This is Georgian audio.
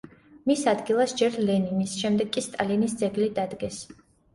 მის ადგილას ჯერ ლენინის, შემდეგ კი სტალინის ძეგლი დადგეს.